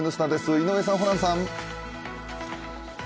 井上さん、ホランさん。